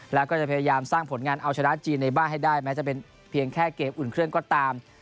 แล้วก็จะพยายามสร้างผลงานเอาชนะจีนในบ้านให้ได้แม้จะเป็นเพียงแค่เกมอุ่นเครื่องก็ตาม